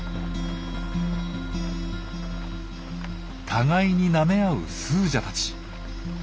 互いになめ合うスージャたち。